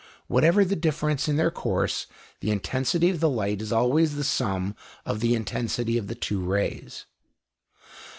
Whatever the difference of their course, the intensity of the light is always the sum of the intensity of the two rays.